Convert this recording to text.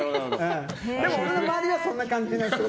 でも、俺の周りはそんな感じだから。